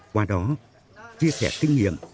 qua đó chia sẻ kinh nghiệm